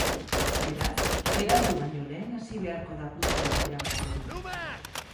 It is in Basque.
Beraz, berandu baino lehen hasi beharko da puntuak irabazten.